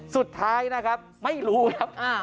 สุดท้ายนะครับไม่รู้ครับ